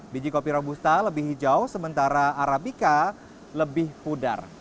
biji kopi robusta lebih hijau sementara arabica lebih pudar